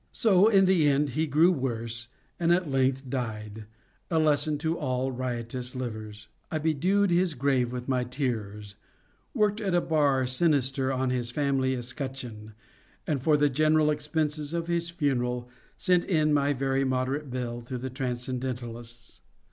So in the end he grew worse, and at length died, a lesson to all riotous livers. I bedewed his grave with my tears, worked a bar sinister on his family escutcheon, and, for the general expenses of his funeral, sent in my very moderate bill to the transcendentalists.